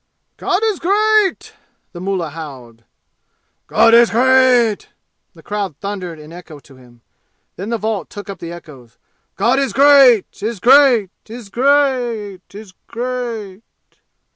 "God is great!" the mullah howled. "God is great!" the crowd thundered in echo to him; and then the vault took up the echoes. "God is great is great is great ea ea eat!"